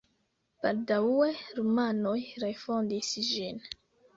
Baldaŭe rumanoj refondis ĝin.